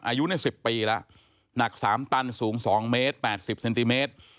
อายุใน๑๐ปีแล้วหนัก๓ตันสูง๒เมตร๘๐เซนติเมตร